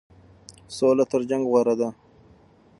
سوله تر جنګ غوره ده.